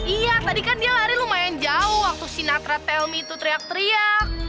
iya tadi kan dia lari lumayan jauh waktu si natra tell me itu teriak teriak